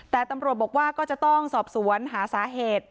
แต่ตำรวจบอกว่าก็จะต้องสอบสวนหาสาเหตุ